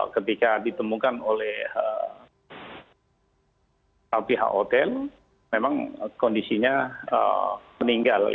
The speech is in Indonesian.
ketika ditemukan oleh pihak hotel memang kondisinya meninggal